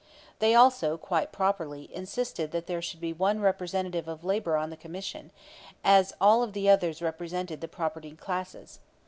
They also, quite properly, insisted that there should be one representative of labor on the commission, as all of the others represented the propertied classes.